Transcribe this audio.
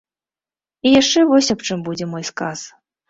І яшчэ вось аб чым будзе мой сказ.